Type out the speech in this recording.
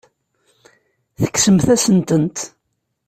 Tekksemt-asent-tent.